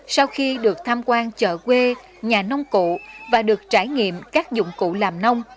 sau khi được tham quan chợ quê nhà nông cụ và được trải nghiệm các dụng cụ làm nông